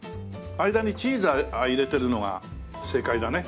間にチーズを入れているのが正解だね。